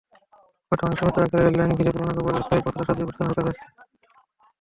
বর্তমানে সীমিত আকারে রেললাইন ঘিরে পুরোনো কাপড়ের অস্থায়ী পসরা সাজিয়ে বসেছেন হকারেরা।